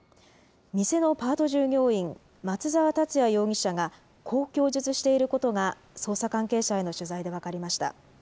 店のパート従業員、松澤達也容疑者が、こう供述していることが捜査関係者への取材で分かりました。